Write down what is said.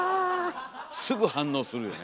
すぐ反応するよね。